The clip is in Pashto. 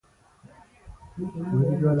د کلي مشران احمد ته ننواتې ورغلل.